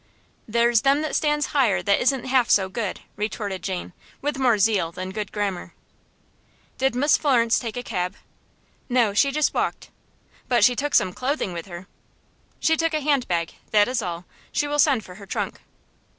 "There's them that stands higher that isn't half so good," retorted Jane, with more zeal than good grammar. "Did Miss Florence take a cab?" "No; she just walked." "But she took some clothing with her?" "She took a handbag that is all. She will send for her trunk."